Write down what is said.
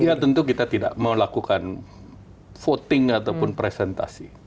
iya tentu kita tidak melakukan voting ataupun presentasi